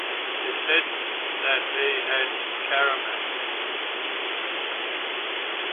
It is said that he had karamat.